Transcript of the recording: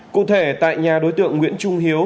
cụ thể tại nhà đối tượng nguyễn trung hiếu